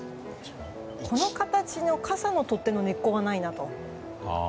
この形の傘の取っ手や根っこがないなと。